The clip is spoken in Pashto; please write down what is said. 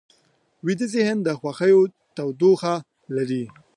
ویده ذهن د خوښیو تودوخه لري